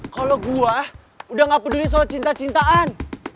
kalo gua udah gak peduli soal cinta cintaan